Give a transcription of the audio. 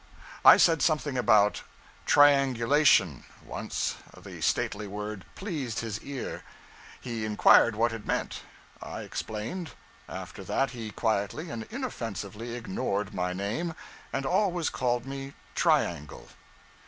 I said something about triangulation, once; the stately word pleased his ear; he inquired what it meant; I explained; after that he quietly and inoffensively ignored my name, and always called me Triangle.